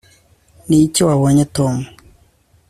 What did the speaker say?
niki wabonye tom